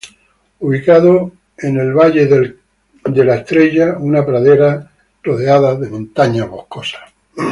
Ubicado en Star Valley, una pradera rodeada de montañas boscosas.